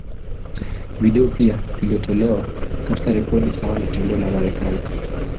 Video pia iliyotolewa, katika rekodi sawa na toleo la Marekani.